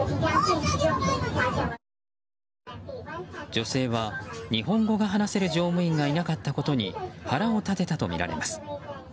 女性は日本語が話せる乗務員がいなかったことに腹を立てたとみられます。